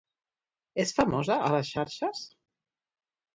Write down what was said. És famosa a les xarxes?